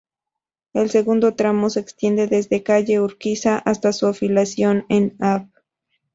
El segundo tramo se extiende desde calle Urquiza hasta su finalización en Av.